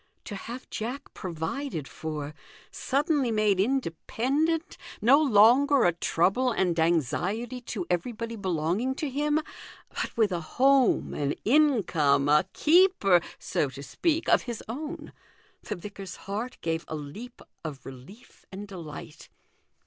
To have Jack provided for, suddenly made independent, no longer a trouble and THE GOLDEN RULE. 287 anxiety to everybody belonging to him, but with a home, an income, a keeper (so to speak) of his own ! The vicar's heart gave a leap of relief and delight.